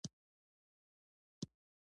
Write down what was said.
د افغانستان او هم په سیمه کې د نورو هیوادونو